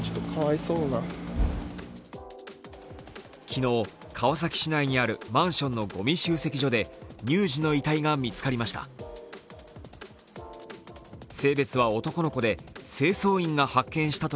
昨日、川崎市内にあるマンションのごみ集積所で乳児の遺体が見つかりました。